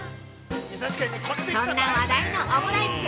そんな話題のオムライス！